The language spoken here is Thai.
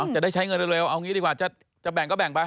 จะได้ใช้เงินเร็วเอางี้ดีกว่าจะแบ่งก็แบ่งไป